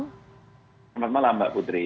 selamat malam mbak putri